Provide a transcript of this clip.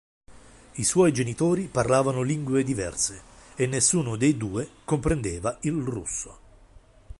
I suoi genitori parlavano lingue diverse e nessuno dei due comprendeva il russo.